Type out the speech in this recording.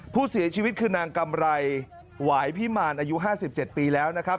ผู้เสียชีวิตคือนางกำไรหวายพิมารอายุ๕๗ปีแล้วนะครับ